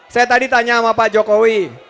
saya tadi tanya sama pak jokowi